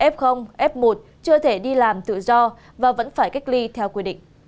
f f một chưa thể đi làm tự do và vẫn phải cách ly theo quy định